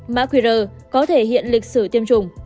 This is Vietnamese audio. má qr có thể hiện lịch sử tiêm chủng